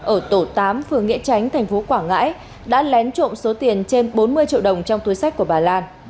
ở tổ tám phường nghĩa chánh thành phố quảng ngãi đã lén trộm số tiền trên bốn mươi triệu đồng trong túi sách của bà lan